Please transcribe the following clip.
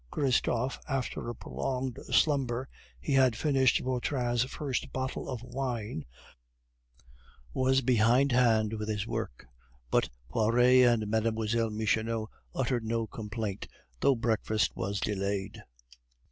Christophe, after a prolonged slumber (he had finished Vautrin's first bottle of wine), was behindhand with his work, but Poiret and Mlle. Michonneau uttered no complaint, though breakfast was delayed.